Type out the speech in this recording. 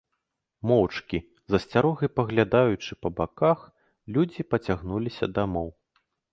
Моўчкі, з асцярогай паглядаючы па баках, людзі пацягнуліся дамоў.